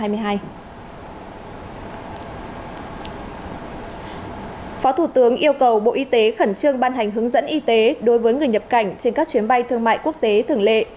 phó thủ tướng yêu cầu bộ y tế khẩn trương ban hành hướng dẫn y tế đối với người nhập cảnh trên các chuyến bay thương mại quốc tế thường lệ